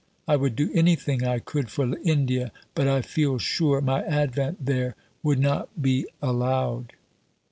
I would do anything I could for India, but I feel sure my advent there would not be allowed.